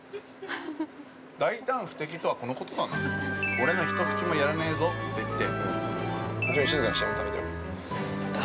俺の一口もやらねえぞって言って。